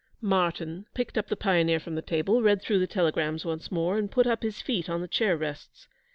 Martyn picked up the Pioneer from the table, read through the telegrams once more, and put up his feet on the chair rests.